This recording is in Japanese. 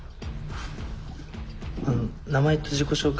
あの名前と自己紹介